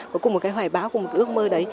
có cùng một cái hoài báo cùng một cái ước mơ đấy